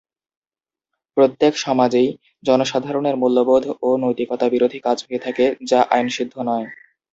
প্রত্যেক সমাজেই জনসাধারণের মূল্যবোধ ও নৈতিকতা বিরোধী কাজ হয়ে থাকে, যা আইনসিদ্ধ নয়।